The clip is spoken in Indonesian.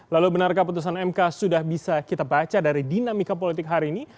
lalu benarkah putusan mk sudah bisa kita baca dari dinamika politik hari ini